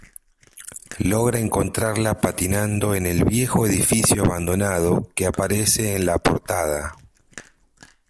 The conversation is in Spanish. Logra encontrarla patinando en el viejo edificio abandonado que aparece en la portada.